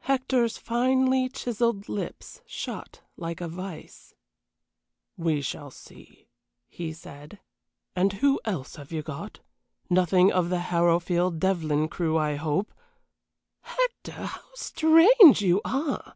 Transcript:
Hector's finely chiselled lips shut like a vise. "We shall see," he said. "And who else have you got? None of the Harrowfield Devlyn crew, I hope " "Hector, how strange you are!